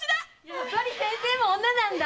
やっぱり先生も女なんだ！